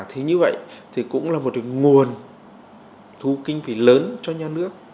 thì như vậy thì cũng là một nguồn thu kinh phí lớn cho nhà nước